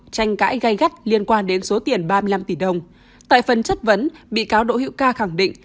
tranh cãi gai gắt liên quan đến số tiền ba mươi năm tỷ đồng tại phần chất vấn bị cáo đỗ hữu ca khẳng định